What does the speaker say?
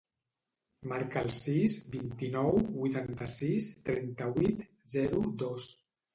Marca el sis, vint-i-nou, vuitanta-sis, trenta-vuit, zero, dos.